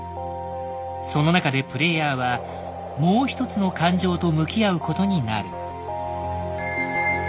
その中でプレイヤーはもう一つの感情と向き合うことになる。